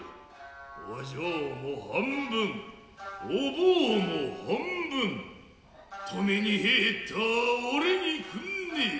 お嬢も半分お坊も半分留めに入った己にくんねえ。